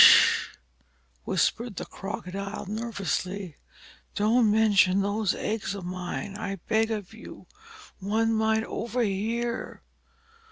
"Sh!" whispered the Crocodile, nervously. "Don't mention those eggs of mine, I beg of you. Some one might overhear.